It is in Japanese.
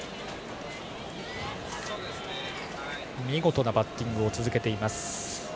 見事なバッティングを続けています、紅林。